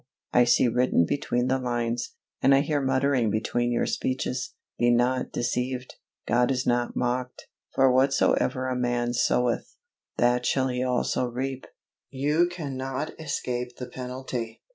I see written between the lines, and I hear muttering between your speeches. "Be not deceived; God is not mocked: for whatsoever a man soweth, that shall he also reap." You cannot escape the penalty!